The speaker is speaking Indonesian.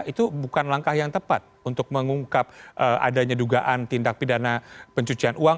itu bukan langkah yang tepat untuk mengungkap adanya dugaan tindak pidana pencucian uang